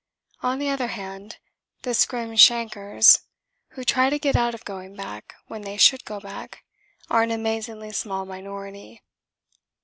On the other hand, the scrim shankers who try to get out of going back, when they should go back, are an amazingly small minority."